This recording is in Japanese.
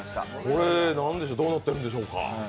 これ、どうなってるんでしょうか。